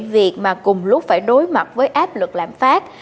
việc mà cùng lúc phải đối mặt với áp lực lạm phát